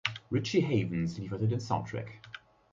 Richie Havens lieferte den Soundtrack.